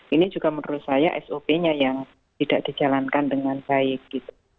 ini juga menurut saya sop nya yang tidak dijalankan dengan baik gitu